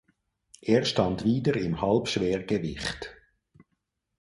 Er stand wieder im Halbschwergewicht.